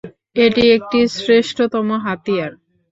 এটি একটি শ্রেষ্ঠতম হাতিয়ার।